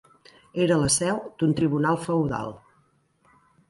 Era la seu d'un tribunal feudal.